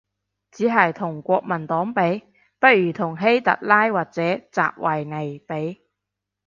只係同國民黨比？，不如同希特拉或者習維尼比